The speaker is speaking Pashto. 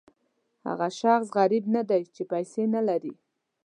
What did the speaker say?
هغه شخص غریب نه دی چې پیسې نه لري.